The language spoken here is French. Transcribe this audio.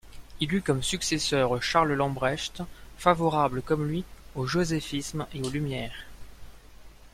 Il eut comme successeur Charles Lambrechts favorable comme lui au joséphisme et aux Lumières.